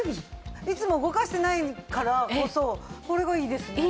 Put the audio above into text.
いつも動かしてないからこそこれがいいですね。